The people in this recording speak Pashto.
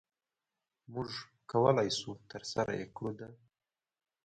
مونږ کولی شو ترسره يي کړو د